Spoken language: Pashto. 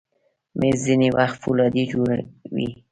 مېز ځینې وخت فولادي جوړ وي.